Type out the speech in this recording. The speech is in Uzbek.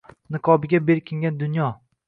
Niqobiga berkingan dunyo